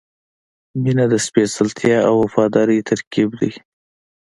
• مینه د سپېڅلتیا او وفادارۍ ترکیب دی.